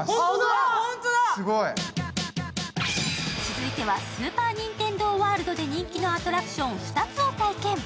続いてはスーパー・ニンテンドー・ワールドで人気のアトラクション２つを体験。